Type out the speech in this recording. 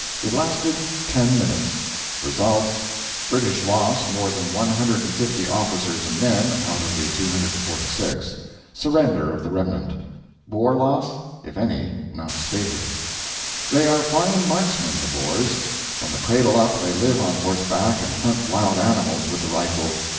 It lasted ten minutes. Result: British loss, more than 150 officers and men, out of the 246. Surrender of the remnant. Boer loss if any not stated. They are fine marksmen, the Boers. From the cradle up, they live on horseback and hunt wild animals with the rifle.